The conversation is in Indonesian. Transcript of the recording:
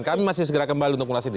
kami masih segera kembali untuk ulas ini